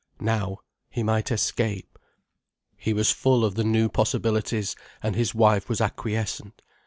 Now he might escape. He was full of the new possibilities, and his wife was acquiescent.